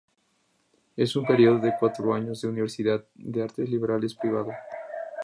Es un período de cuatro años de universidad de artes liberales privado.